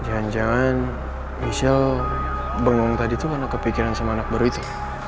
jangan jangan michelle bengong tadi tuh karena kepikiran sama anak baru itu